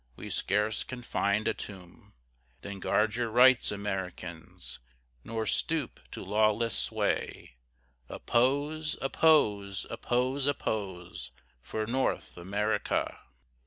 We scarce can find a tomb. Then guard your rights, Americans, Nor stoop to lawless sway; Oppose, oppose, oppose, oppose, For North America.